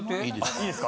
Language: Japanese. いいですか？